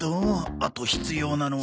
あと必要なのは。